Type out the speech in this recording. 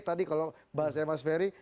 tadi kalau bahasanya mas ferry